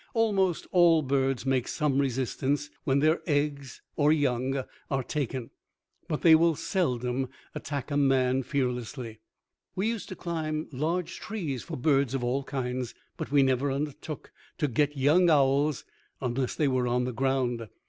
Almost all birds make some resistance when their eggs or young are taken, but they will seldom attack man fearlessly. We used to climb large trees for birds of all kinds; but we never undertook to get young owls unless they were on the ground.